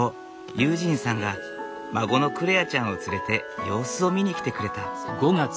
悠仁さんが孫の來愛ちゃんを連れて様子を見に来てくれた。